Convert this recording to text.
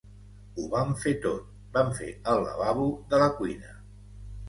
Ho vam fer tot. Vam fer el lavabo de la cuina!